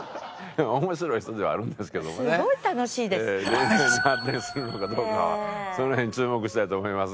恋愛に発展するのかどうかはその辺注目したいと思いますが。